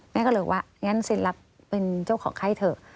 แม่ก็เลยว่างั้นเซ็นรับเป็นเจ้าของไข้เถอะ